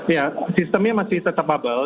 ya sistemnya masih tetap bubble